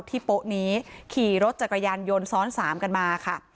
ที่โป๊ะนี้ขี่รถจากกระยันยนท์ซ้อน๓กันมาค่ะ